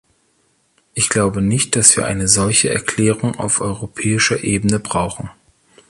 Ich glaube nicht, dass wir eine solche Erklärung auf europäischer Ebene brauchen.